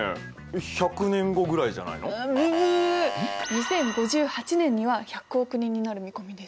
２０５８年には１００億人になる見込みです。